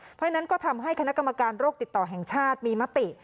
เพราะฉะนั้นก็ทำให้คณะกรรมการโรคติดต่อแห่งชาติมีมติ